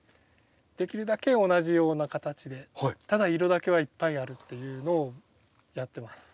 できるだけ同じような形でただ色だけはいっぱいあるっていうのをやってます。